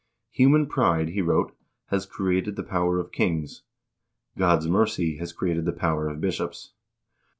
"Human pride," he wrote, "has created the power of kings. God's mercy has created the power of bishops.